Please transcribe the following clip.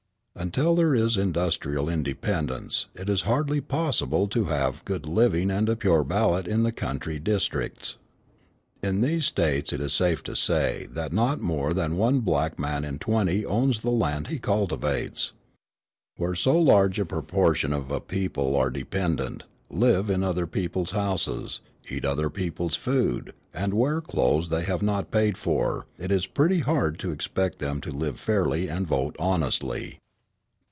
Until there is industrial independence, it is hardly possible to have good living and a pure ballot in the country districts. In these States it is safe to say that not more than one black man in twenty owns the land he cultivates. Where so large a proportion of a people are dependent, live in other people's houses, eat other people's food, and wear clothes they have not paid for, it is pretty hard to expect them to live fairly and vote honestly.